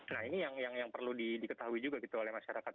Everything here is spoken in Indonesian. nah ini yang perlu diketahui juga gitu oleh masyarakat